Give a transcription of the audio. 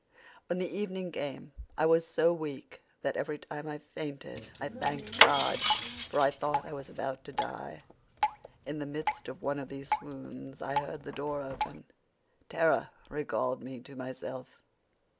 "When the evening came I was so weak that every time I fainted I thanked God, for I thought I was about to die. "In the midst of one of these swoons I heard the door open. Terror recalled me to myself.